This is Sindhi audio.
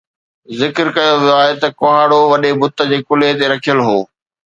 ذڪر ڪيو ويو آهي ته ڪهاڙو وڏي بت جي ڪلهي تي رکيل هو